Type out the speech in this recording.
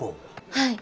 はい。